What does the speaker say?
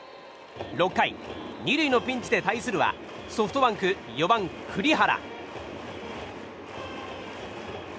６回２塁のピンチで対するはソフトバンク４番、栗原。